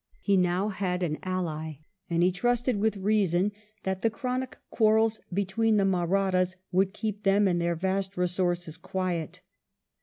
He now had an ally, and he trusted with reason that the chronic quarrels between the Mahrattas would keep them and their vast resources quiet.